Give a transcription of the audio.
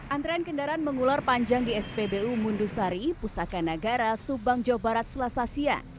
antrean kendaraan mengulur panjang di spbu mundusari pusaka nagara subang jawa barat selasasia